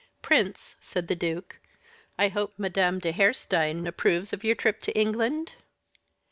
"Prince," said the duke, "I hope Madame de Harestein approves of your trip to England?"